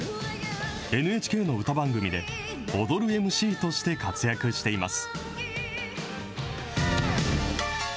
ＮＨＫの歌番組で、踊るＭＣとして活躍しています。